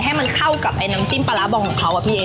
ให้มันเข้ากับไอ้น้ำจิ้มปลาร้าบองของเขาอะพี่เอ